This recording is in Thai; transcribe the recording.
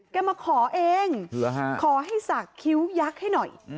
มาขอเองขอให้สักคิ้วยักษ์ให้หน่อย